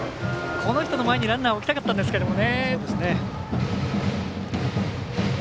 この人の前にランナー置きたかったんですけどね。